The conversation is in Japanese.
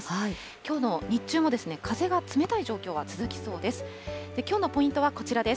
きょうの日中も風が冷たい状況が続きそうです。